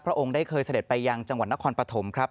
องค์ได้เคยเสด็จไปยังจังหวัดนครปฐมครับ